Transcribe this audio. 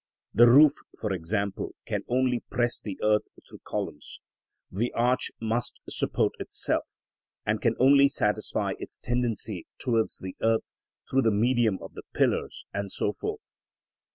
The roof, for example, can only press the earth through columns, the arch must support itself, and can only satisfy its tendency towards the earth through the medium of the pillars, and so forth.